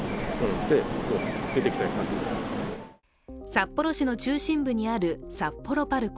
札幌市の中心部にある札幌ＰＡＲＣＯ。